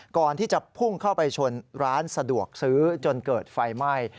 ก่อนที่จะพุ่งเข้าไปชนร้านสะดวกซื้อจนเกิดไฟไหม้